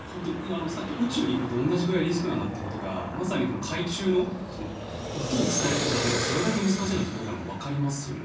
宇宙に行くのと同じぐらいリスクなんだというのが海中の音を伝えるだけでもそれだけ難しいということがわかりますね。